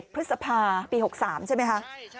พฤษภาปี๖๓ใช่ไหมคะ